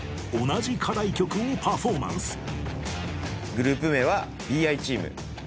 グループ名は「Ｂｉチーム」。